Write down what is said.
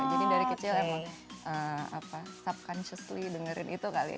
jadi dari kecil emang subconsciously dengerin itu kali ya